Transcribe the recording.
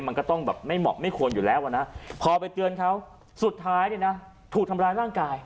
มันก็ต้องแบบไม่เหมาะไม่ควรอยู่แล้วอ่ะนะพอไปเตือนเขาสุดท้ายเนี่ยนะถูกทำร้ายร่างกาย